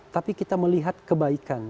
tapi kita melihat kebaikan